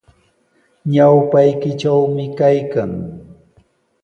Ñawpaykitrawmi kaykan.